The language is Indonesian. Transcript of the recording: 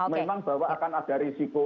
memang bahwa akan ada risiko